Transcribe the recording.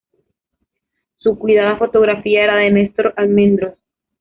Su cuidada fotografía era de Nestor Almendros.